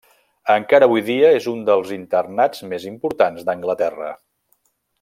Encara avui dia és un dels internats més importants d'Anglaterra.